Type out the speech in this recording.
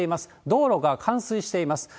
道路が冠水しています。